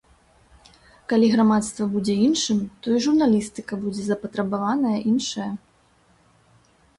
Калі грамадства будзе іншым, то і журналістыка будзе запатрабаваная іншая.